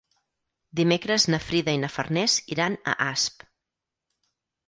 Dimecres na Frida i na Farners iran a Asp.